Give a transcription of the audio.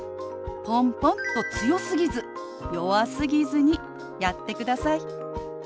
ポンポンと強すぎず弱すぎずにやってください。